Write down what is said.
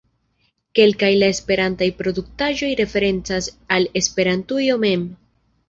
Kelkaj el la esperantaj produktaĵoj referencas al Esperantujo mem.